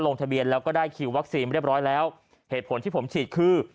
ลงทะเบียนแล้วก็ได้คิววัคซีนเรียบร้อยแล้วเหตุผลที่ผมฉีดคือ